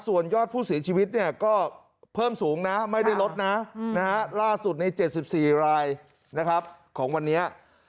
ส่วนยอดผู้เสียชีวิตเนี่ยก็เพิ่มสูงนะไม่ได้ลดนะล่าสุดใน๗๔รายนะครับของวันนี้